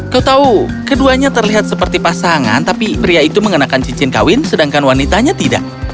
kau tahu keduanya terlihat seperti pasangan tapi pria itu mengenakan cincin kawin sedangkan wanitanya tidak